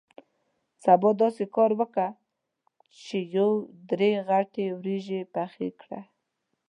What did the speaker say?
سبا داسې کار وکه چې یو درې غټې وریجې پخې کړې.